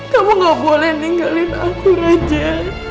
kamu gak boleh ninggalin aku raja